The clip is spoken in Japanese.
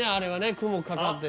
雲かかってね